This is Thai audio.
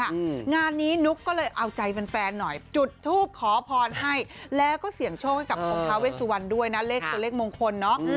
เยอะเลยค่ะงานนี้นุ๊กก็เลยเอาใจเป็นแฟนหน่อยจุดทูปขอพรให้แล้วก็เสี่ยงโชคกับของเขาเวทสุวรรณด้วยนะเลขตัวเลขมงคลเนาะ